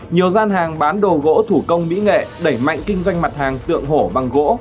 nhiều gian hàng bán đồ gỗ thủ công mỹ nghệ đẩy mạnh kinh doanh mặt hàng tượng hổ bằng gỗ